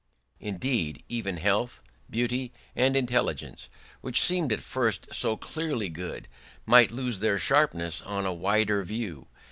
Indeed, even health, beauty, and intelligence, which seemed at first so clearly good, might lose their sharpness on a wider view.